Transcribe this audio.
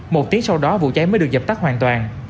một tiếng sau đó vụ cháy mới được dập tắt hoàn toàn